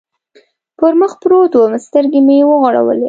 پر مخ پروت ووم، سترګې مې و غړولې.